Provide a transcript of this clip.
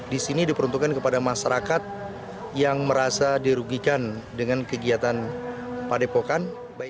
di sini diperuntukkan kepada masyarakat yang merasa dirugikan dengan kegiatan padepokan